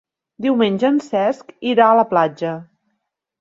Diumenge en Cesc irà a la platja.